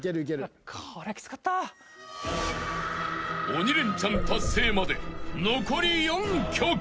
［鬼レンチャン達成まで残り４曲］